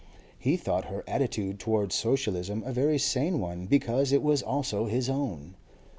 He thought her attitude towards socialism a very sane one because it was also his own.